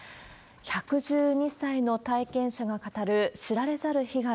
１１２歳の体験者が語る、知られざる被害。